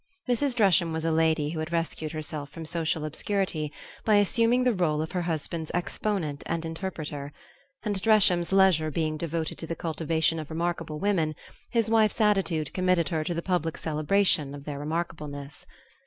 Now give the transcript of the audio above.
Mrs. Dresham was a lady who had rescued herself from social obscurity by assuming the role of her husband's exponent and interpreter; and Dresham's leisure being devoted to the cultivation of remarkable women, his wife's attitude committed her to the public celebration of their remarkableness.